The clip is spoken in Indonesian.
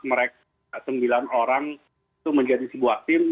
mereka sembilan orang itu menjadi sebuah tim